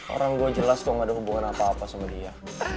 orang gue jelas kok gak ada hubungan apa apa sama dia